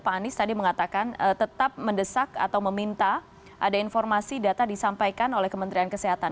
pak anies tadi mengatakan tetap mendesak atau meminta ada informasi data disampaikan oleh kementerian kesehatan